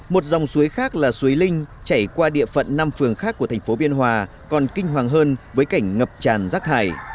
một dòng suối khác là suối linh chảy qua địa phận năm phường khác của thành phố biên hòa còn kinh hoàng hơn với cảnh ngập tràn rác thải